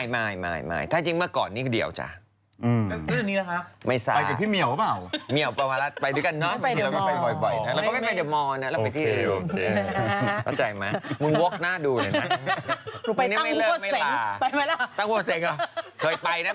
ไม่ไม่อย่างนั้นกดไม่อย่างนี้